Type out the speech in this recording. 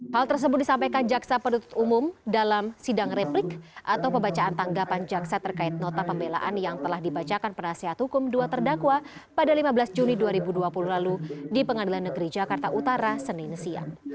hal tersebut disampaikan jaksa penutup umum dalam sidang replik atau pembacaan tanggapan jaksa terkait nota pembelaan yang telah dibacakan penasihat hukum dua terdakwa pada lima belas juni dua ribu dua puluh lalu di pengadilan negeri jakarta utara senin siang